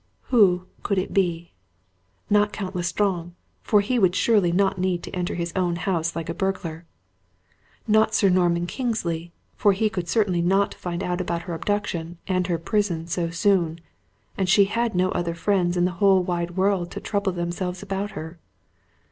Who could it be? Not Count L'Estrange, for he would surely not need to enter his own house like a burglar not Sir Norman Kingsley, for he could certainly not find out her abduction and her prison so soon, and she had no other friends in the whole wide world to trouble themselves about her.